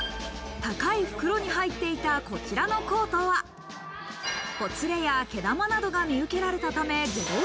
高い袋に入っていたこちらのコートは、ほつれや毛玉などが見受けられたため０円。